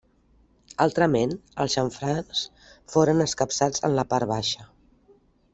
Altrament, els xamfrans foren escapçats en la part baixa.